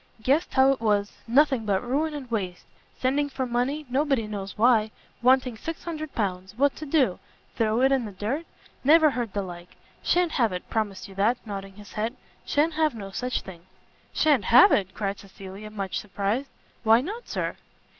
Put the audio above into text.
guessed how it was; nothing but ruin and waste; sending for money, nobody knows why; wanting 600 pounds what to do? throw it in the dirt? Never heard the like! Sha'n't have it, promise you that," nodding his head, "shan't have no such thing!" "Sha'n't have it?" cried Cecilia, much surprised, "why not, Sir?"